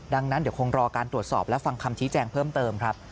ดังนั้นเดี๋ยวคงรอการตรวจสอบและฟังคำชี้แจงเพิ่มเติมครับ